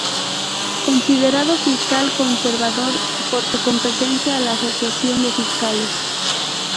Considerado fiscal conservador por su pertenencia a la Asociación de Fiscales.